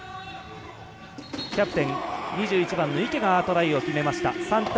キャプテン、２１番池がトライを決めました。